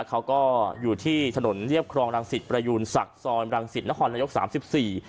เขาก็อยู่ที่ถนนเรียบครองรังสิตประยูนศักดิ์ซอยรังสิตนครนายกสามสิบสี่